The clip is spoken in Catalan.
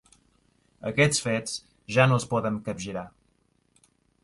Aquests fets, ja no els podem capgirar.